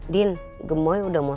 din gemoy udah mau